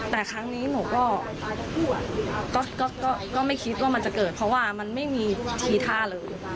แต่ครั้งนี้หนูก็ไม่คิดว่ามันจะเกิดเพราะว่ามันไม่มีทีท่าเลย